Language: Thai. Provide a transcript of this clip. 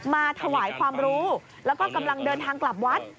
มาถวายความรู้แล้วก็กำลังเดินทางกลับวัด